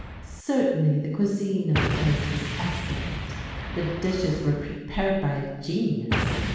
Certainly the cuisine of the place was excellent. The dishes were prepared by a genius.